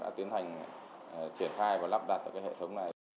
đã tiến hành triển khai và lắp đặt cái hệ thống này